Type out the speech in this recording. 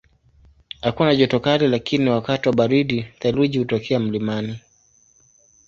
Hakuna joto kali lakini wakati wa baridi theluji hutokea mlimani.